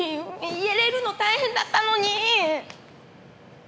入れるの大変だったのに！